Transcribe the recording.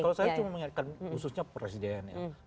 kalau saya cuma mengingatkan khususnya presiden ya